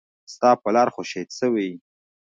ستا پلار خو شهيد سوى.